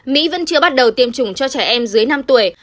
mỹ vẫn chưa bắt đầu tiêm chủng cho trẻ em dưới năm tuổi